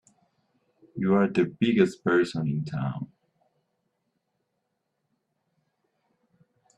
You're the biggest person in town!